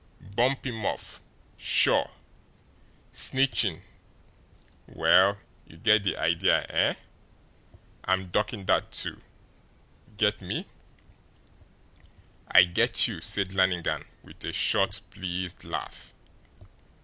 Bump him off sure! Snitching well, you get the idea, eh? I'm ducking that too. Get me?" "I get you," said Lannigan, with a short, pleased laugh.